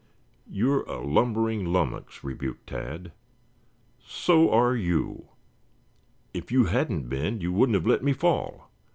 "You're a lumbering lummox," rebuked Tad. "So are you. If you hadn't been, you wouldn't have let me fall.